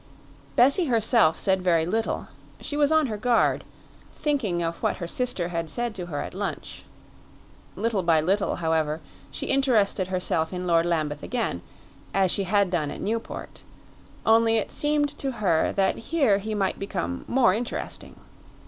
Bessie herself said very little; she was on her guard, thinking of what her sister had said to her at lunch. Little by little, however, she interested herself in Lord Lambeth again, as she had done at Newport; only it seemed to her that here he might become more interesting.